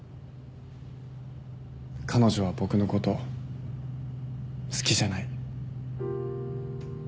彼女は僕のこと好きじゃない。